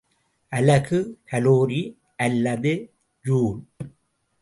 அலகு கலோரி அல்லது ஜூல்.